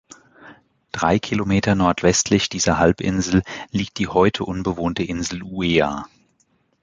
Drei Kilometer nordwestlich dieser Halbinsel liegt die heute unbewohnte Insel Uea.